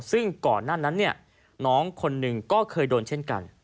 ซึ่งก่อนหน้านั้นเนี่ยน้องคนหนึ่งก็เคยโดนเช่นกัน